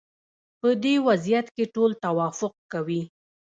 په دې وضعیت کې ټول توافق کوي.